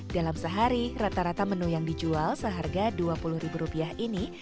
dalam sehari rata rata menu yang dijual seharga dua puluh ribu rupiah ini